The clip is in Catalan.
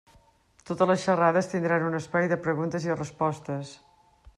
Totes les xerrades tindran un espai de preguntes i respostes.